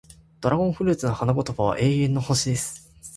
ドラゴンフルーツの花言葉は、永遠の星、です。